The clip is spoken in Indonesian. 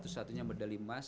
terus satunya medali emas